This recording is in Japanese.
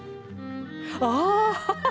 ああ！